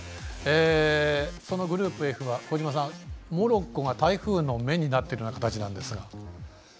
そのグループＦはモロッコが台風の目になっているような形なんですが。